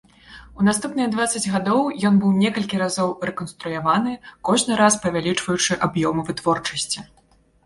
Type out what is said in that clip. У наступныя дваццаць гадоў ён быў некалькі разоў рэканструяваны, кожны раз павялічваючы аб'ёмы вытворчасці.